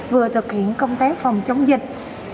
vừa thực hiện công tác phòng chống dịch